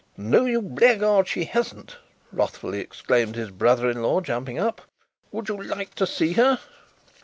"No, you blackguard, she hasn't," wrathfully exclaimed his brother in law, jumping up. "Would you like to see her?"